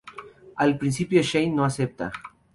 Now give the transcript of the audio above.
Al principio Shane no acepta.